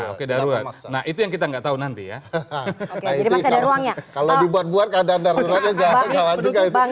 oke darurat nah itu yang kita enggak tahu nanti ya kalau dibuat buat keadaan darurat